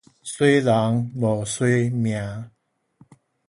媠人無媠命